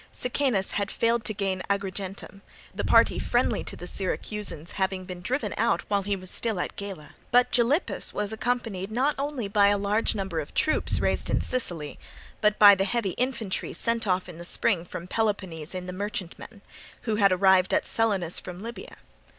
Sicanus had failed to gain Agrigentum, the party friendly to the Syracusans having been driven out while he was still at Gela; but Gylippus was accompanied not only by a large number of troops raised in Sicily, but by the heavy infantry sent off in the spring from Peloponnese in the merchantmen, who had arrived at Selinus from Libya.